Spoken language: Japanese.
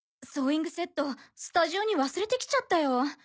ソーイングセットスタジオに忘れてきちゃったよ。